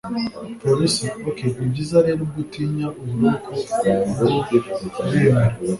Police ok nibyiza rero ubwo utinya uburoko ubwo uremera